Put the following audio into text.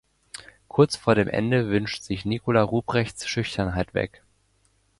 Kurz vor dem Ende wünscht sich Nicola Ruprechts Schüchternheit weg.